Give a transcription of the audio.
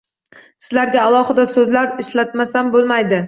Sizlarga alohida so‘zlar ishlatmasam bo‘lmaydi.